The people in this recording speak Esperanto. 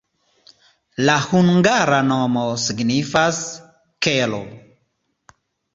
La hungara nomo signifas: kelo.